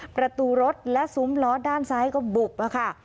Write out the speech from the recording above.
ประตูรถและซุ้มล้อด้านซ้ายก็บุบค่ะ